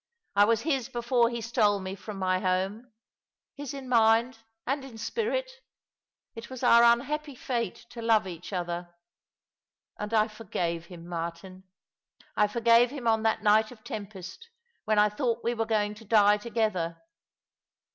I was his before he stole me from my home — his in mind and in spirit. It was our unhappy fate to love each other. And I forgave him, Martin. I forgave him on that night of tempest, when I thought we were going to die together."